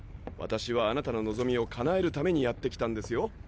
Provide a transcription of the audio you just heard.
私はあなたの望みを叶えるためにやって来たんですよ。